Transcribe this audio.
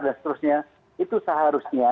dan seterusnya itu seharusnya